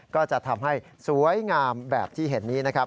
ก็จะทำให้สวยงามแบบที่เห็นนี้นะครับ